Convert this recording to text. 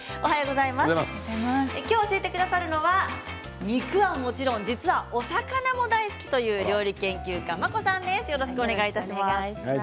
きょう教えてくださるのは肉はもちろん実はお魚も大好きという料理研究家Ｍａｋｏさんです。